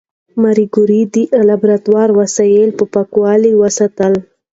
ماري کوري د لابراتوار وسایل په پاکوالي وساتل.